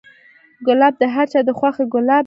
ګلاب د هر چا د خوښې ګل دی.